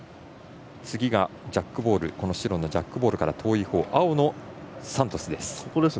次が白のジャックボールから遠いほうの、青のサントスです。